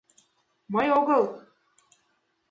Мый огыл...